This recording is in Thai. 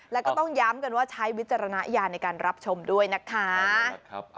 แล้วก็ต้องย้ำกันว่าใช้วิจารณญาณในการรับชมด้วยนะคะ